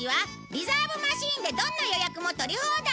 リザーブ・マシンでどんな予約も取り放題